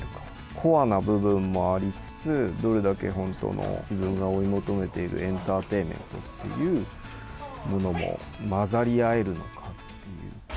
コアな部分もありつつ、どれだけ本当の自分が追い求めているエンターテインメントっていうものも、混ざり合えるのかっていう。